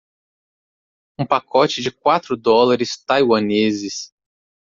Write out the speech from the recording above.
Um pacote de quatro dólares taiwaneses